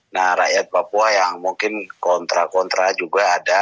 nah rakyat papua yang mungkin kontra kontra juga ada